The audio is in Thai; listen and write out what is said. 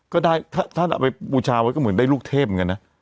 ก็ได้ถ้าเอาไปบูชาไว้ก็เหมือนได้ลูกเทพเหมือนกันนะ